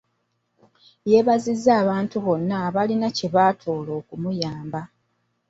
Yeebazizza abantu bonna abalina kye batoola okumuyamba.